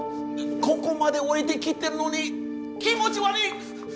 ここまで降りて来てるのに気持ち悪い！